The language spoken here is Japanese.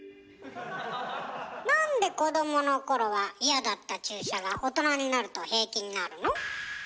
なんで子どものころは嫌だった注射が大人になると平気になるの？